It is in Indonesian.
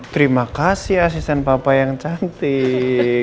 terima kasih asisten papa yang cantik